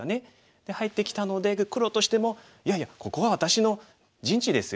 で入ってきたので黒としても「いやいやここは私の陣地ですよ。